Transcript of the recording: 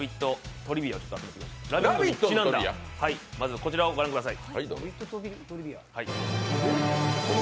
トリビア、まずはこちらをご覧ください。